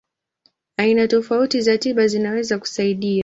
Aina tofauti za tiba zinaweza kusaidia.